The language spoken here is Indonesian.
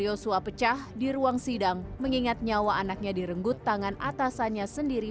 yosua pecah di ruang sidang mengingat nyawa anaknya direnggut tangan atasannya sendiri